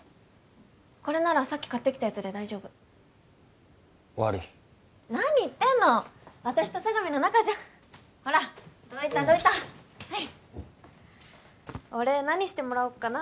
これならさっき買ってきたやつで大丈夫ワリイ何言ってんの私と佐神の仲じゃんほらどいたどいたはいお礼何してもらおっかな